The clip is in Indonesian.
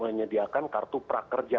menyediakan kartu prakerja